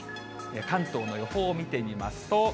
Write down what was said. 関東の予報を見てみますと。